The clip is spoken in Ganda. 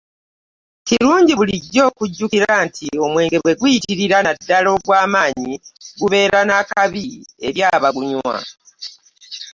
Kirungi bulijjo okujjukira nti omwenge bwe guyitirira naddala ogw'amaanyi gubeera na akabi eri abagunywa.